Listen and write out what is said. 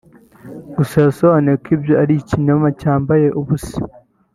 Gusa yasobanuye ko ibyo ari ikinyoma cyambaye ubusa